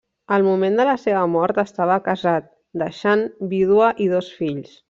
Al moment de la seva mort estava casat, deixant vídua i dos fills.